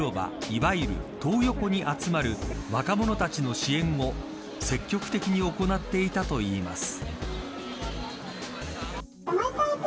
いわゆる、トー横に集まる若者たちの支援を積極的に行っていたといいます。